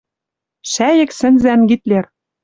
«Шӓйӹк сӹнзӓн Гитлер!